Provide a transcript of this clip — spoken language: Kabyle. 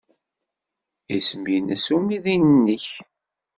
Isem-nnes umidi-nnek?